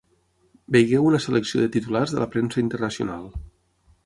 Vegeu una selecció de titulars de la premsa internacional.